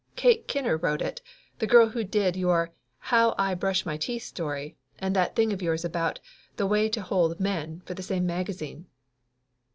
Kate Kinner wrote it the girl who did your How I Brush My Teeth story, and that thing of yours about The Way to Hold Men, for the same magazine."